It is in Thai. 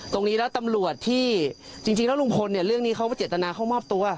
ตรงนี้แล้วตำรวจที่จริงแล้วลุงพลเนี่ยเรื่องนี้เขาเจตนาเข้ามอบตัว